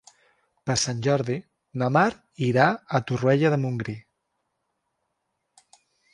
Per Sant Jordi na Mar irà a Torroella de Montgrí.